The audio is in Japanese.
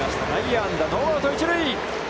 内野安打、ノーアウト、一塁。